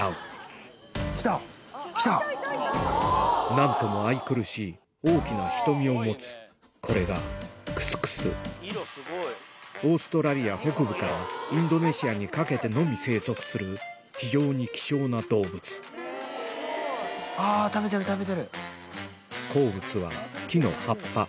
なんとも愛くるしい大きな瞳を持つこれがクスクスオーストラリア北部からインドネシアにかけてのみ生息する非常に希少な動物好物は木の葉っぱ